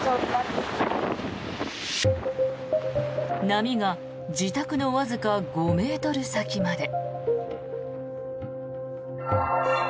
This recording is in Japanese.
波が自宅のわずか５ｍ先まで。